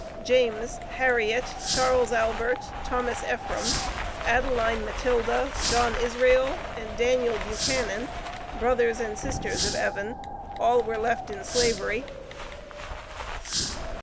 James, Harriet, Charles Albert, Thomas Ephraim, Adeline Matilda, John Israel and Daniel Buchanan (brothers and sisters of Evan), were all left in Slavery.